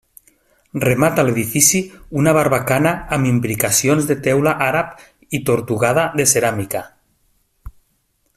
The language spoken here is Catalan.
Remata l'edifici una barbacana amb imbricacions de teula àrab i tortugada de ceràmica.